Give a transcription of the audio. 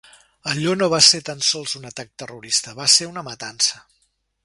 Allò no va ser tan sols un atac terrorista, va ser una matança.